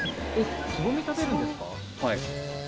つぼみ食べるんですか？